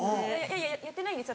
いやいややってないんですよ